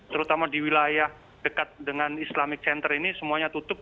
terutama di wilayah dekat dengan islamic center ini semuanya tutup